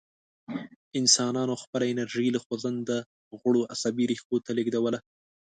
انسانانو خپله انرژي له خوځنده غړو عصبي ریښو ته لېږدوله.